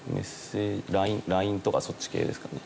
ＬＩＮＥとかそっち系ですかね。